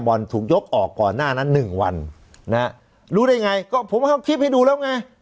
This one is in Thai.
ถูกยกออกก่อนหน้านั้นหนึ่งวันนะฮะรู้ได้ไงก็ผมเอาคลิปให้ดูแล้วไง